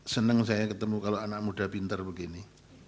senang saya ketemu kalau anak muda pinter begini